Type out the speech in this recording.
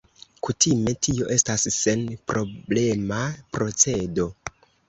Kutime, tio estas senproblema procedo.